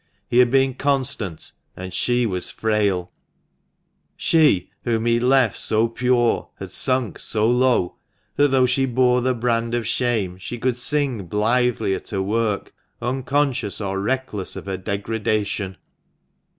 He had been constant, and she was frail ! She whom he had left so pure had sunk so low that, though she bore the brand of shame, she could sing blithely at her work, unconscious or reckless of her degradation